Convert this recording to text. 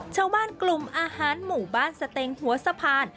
ชาวบ้านกลุ่มอาหารหมู่บ้านสเต็งหัวสะพาน